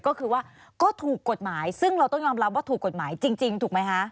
ก็คือว่าก็ถูกกฎหมายซึ่งเราต้องยอมรับว่าถูกกฎหมายจริงถูกไหมคะ